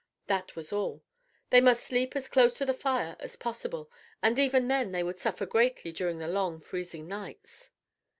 That was all. They must sleep as close to the fire as possible, and even then they would suffer greatly during the long, freezing nights.